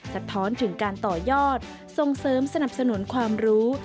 สะท้อนถึงการต่อยอดส่งเสริมสนับสนุนความรู้